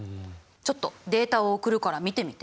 ちょっとデータを送るから見てみて。